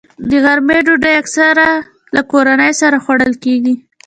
د غرمې ډوډۍ اکثره له کورنۍ سره خوړل کېږي